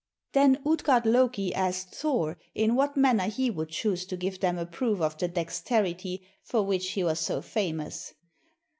Then Utgard Loki asked Thor in what manner he would choose to give them a proof of the dexterity for which he was so famous.